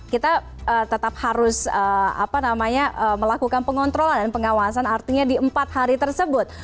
kita tetap harus melakukan pengontrolan dan pengawasan artinya di empat hari tersebut